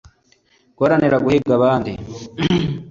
guharanira guhiga abandi